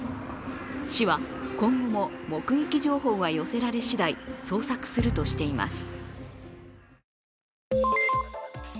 市は今後も目撃情報が寄せられしだい捜索するとしています。